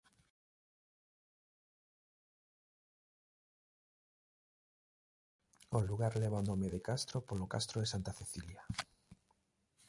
O lugar leva o nome de castro polo Castro de Santa Cecilia.